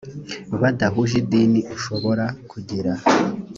badahuje idini ushobora kugira